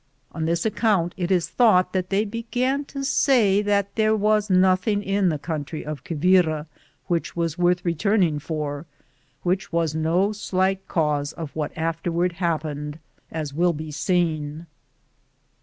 On this account it is thought that they be gan to say that there was nothing in the country of Quivira which was worth return ing for, which was no slight cause of what afterward happened, as will be seen.